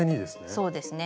そうですね。